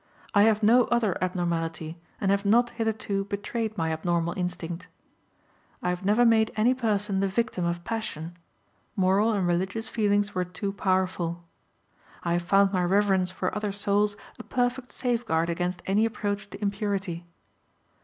I have no other abnormality, and have not hitherto betrayed my abnormal instinct. I have never made any person the victim of passion: moral and religious feelings were too powerful. I have found my reverence for other souls a perfect safeguard against any approach to impurity.